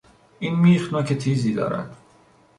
این میخ نوک تیزی دارد.